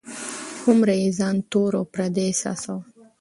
هومره یې ځان تور او پردی احساساوه.